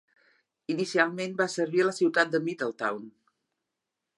Inicialment va servir a la ciutat de Middletown.